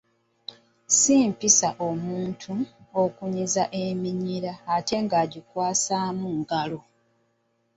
Si mpisa omuntu okunyiza eminyira ate n’ogikwatamu n’engalo.